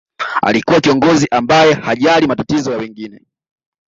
alikuwa kiongozi ambaye hajali matatizo ya wengine